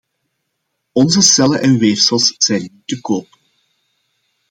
Onze cellen en weefsels zijn niet te koop.